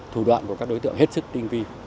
thủ đoạn của các đối tượng hết sức tinh vi